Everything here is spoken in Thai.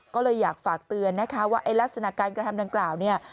ก็เลยอยากฝากเตือนนะคะว่าลักษณะการกระทำดังกล่าวเนี่ย